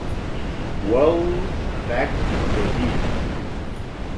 Well... in fact they did.